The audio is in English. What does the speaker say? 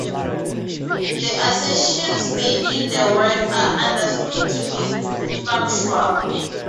The assertions made in the work are understood to be factual.